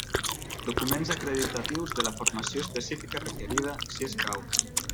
Documents acreditatius de la formació específica requerida, si escau.